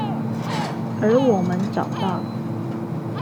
而我們找到